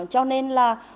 cho nên là